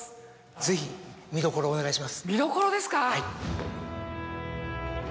ぜひ見どころをお願いします。